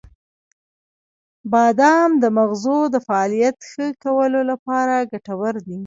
• بادام د مغزو د فعالیت ښه کولو لپاره ګټور دی.